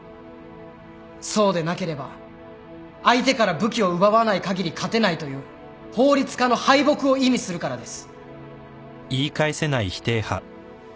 そうでなければ相手から武器を奪わないかぎり勝てないという法律家の敗北を意味するからです。